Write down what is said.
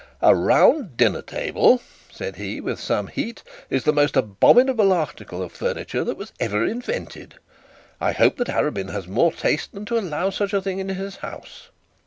'A round dinner table,' said he, with some heat, 'is the most abominable article of furniture that ever was invented. I hope that Arabin has more taste than to allow such a thing in his house.'